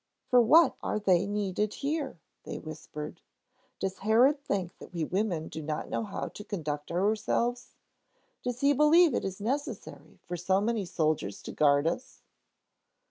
"For what are they needed here?" they whispered. "Does Herod think we women do not know how to conduct ourselves? Does he believe it is necessary for so many soldiers to guard us?"